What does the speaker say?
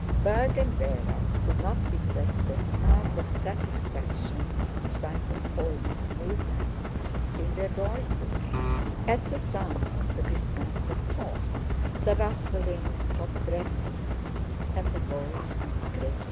Berg and Véra could not repress their smiles of satisfaction at the sight of all this movement in their drawing room, at the sound of the disconnected talk, the rustling of dresses, and the bowing and scraping.